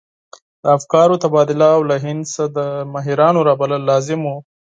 د افکارو تبادله او له هند څخه د ماهرانو رابلل لازم وو.